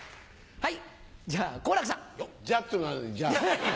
はい。